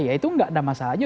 ya itu nggak ada masalah itu